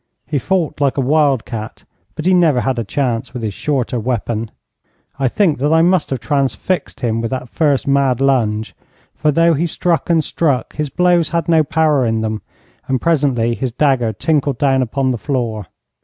He fought like a wild cat, but he never had a chance with his shorter weapon. I think that I must have transfixed him with that first mad lunge, for, though he struck and struck, his blows had no power in them, and presently his dagger tinkled down upon the floor.